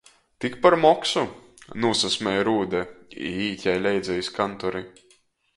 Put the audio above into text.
"Tik par moksu!" nūsasmej Rūde i īt jai leidza iz kantori.